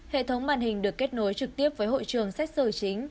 hệ thống màn hình được kết nối trực tiếp với hội trường xét xử chính